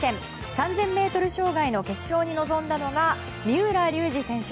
３０００ｍ障害の決勝に臨んだのが三浦龍司選手。